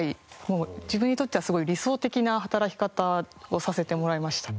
自分にとっては理想的な働き方をさせてもらいました。